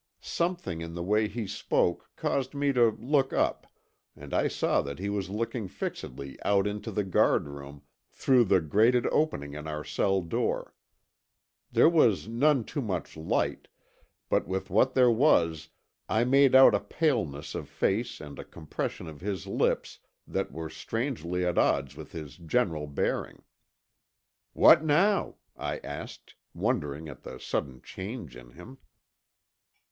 Something in the way he spoke caused me to look up, and I saw that he was looking fixedly out into the guard room through the grated opening in our cell door. There was none too much light, but with what there was I made out a paleness of face and a compression of his lips that were strangely at odds with his general bearing. "What now?" I asked, wondering at the sudden change in him.